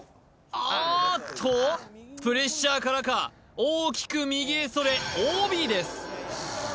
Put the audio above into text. あーっとプレッシャーからか大きく右へそれＯＢです